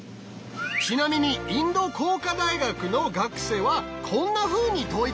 ちなみにインド工科大学の学生はこんなふうに解いたよ。